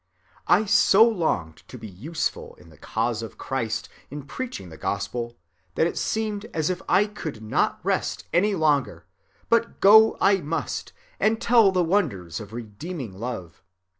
"I so longed to be useful in the cause of Christ, in preaching the gospel, that it seemed as if I could not rest any longer, but go I must and tell the wonders of redeeming love.